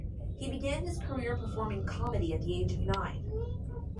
He began his career performing comedy at the age of nine.